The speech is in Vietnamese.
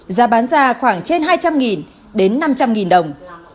giá bán ra khoảng trên hai trăm linh đến năm trăm linh đồng